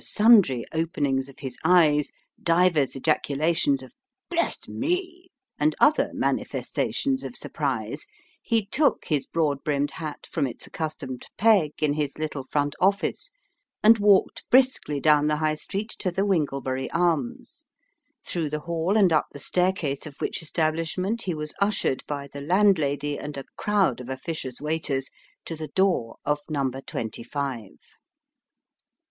sundry openings of his eyes, divers ejaculations of " Bless me !" and other manifestations of surprise, he took his broad brimmed hat from its accustomed peg in his little front office, and walked briskly down the High Street to the Winglebury Arms ; through the hall and up the staircase of which establishment he was ushered by the landlady, and a crowd of officious waiters, to the door of number twenty five.